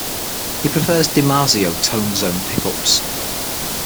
He prefers DiMarzio Tone Zone pickups.